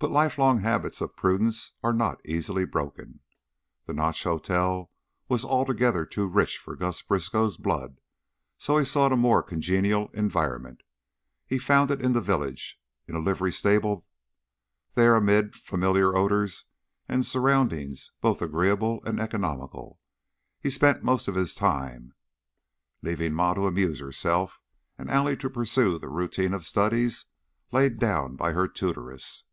But lifelong habits of prudence are not easily broken. The Notch Hotel was altogether too rich for Gus Briskow's blood, so he sought a more congenial environment. He found it in the village, in a livery stable; there, amid familiar odors and surroundings both agreeable and economical, he spent most of his time, leaving Ma to amuse herself and Allie to pursue the routine of studies laid down by her tutoress.